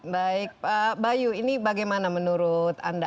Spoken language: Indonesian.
baik pak bayu ini bagaimana menurut anda